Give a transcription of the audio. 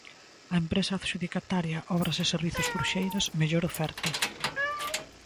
A empresa adxudicataria, Obras e Servizos Cruxeiras, mellor oferta.